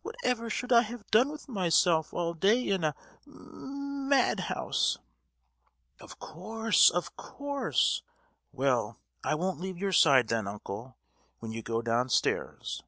Whatever should I have done with myself all day in a ma—ad house?" "Of course, of course! Well, I won't leave your side, then, uncle, when you go downstairs.